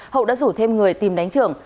hậu đã rủ thêm người tìm đánh trường